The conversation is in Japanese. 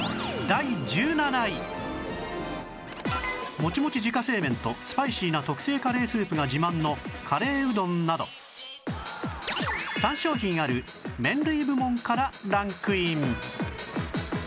もちもち自家製麺とスパイシーな特製カレースープが自慢のカレーうどんなどからランクイン